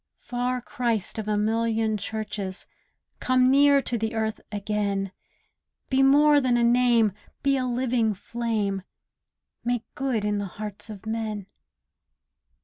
Far Christ, of a million churches, Come near to the earth again; Be more than a Name; be a living Flame; 'Make Good' in the hearts of men.